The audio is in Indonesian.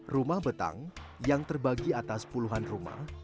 rumah betang yang terbagi atas puluhan rumah